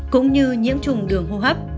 cũng như nhiễm trùng đường hô hấp